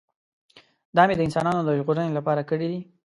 دا مې د انسانانو د ژغورنې لپاره کړی دی.